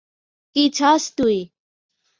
কী চাস তুই?